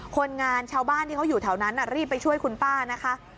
คนงานชาวบ้านที่เขาอยู่แถวนั้นรีบไปช่วยคุณป้านะคะ